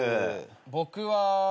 僕は。